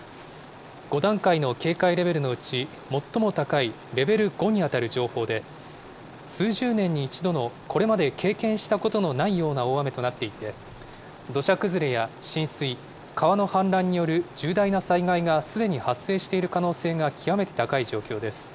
５段階の警戒レベルのうち最も高いレベル５に当たる情報で、数十年に一度のこれまで経験したのことのないような大雨となっていて、土砂崩れや浸水、川の氾濫による重大な災害がすでに発生している可能性が極めて高い状況です。